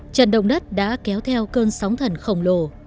trận động đất đã kéo theo cơn sóng thần khổng lồ